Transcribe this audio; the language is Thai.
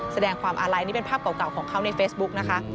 แสดงความอาลัยนี่เป็นภาพเก่าของเขาในเฟซบุ๊กนะคะ